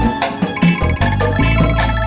bapaknya temen neng